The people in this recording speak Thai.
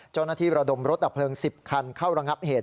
เจ้าหน้าที่ระดมรถอักเพลิง๑๐คันเข้ารังับเหตุ